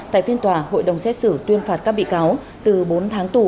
tại phiên tòa hội đồng xét xử tuyên phạt các bị cáo từ bốn tháng tù đến chín tháng tù giam